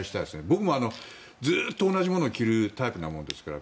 僕もずっと同じものを着るタイプですから。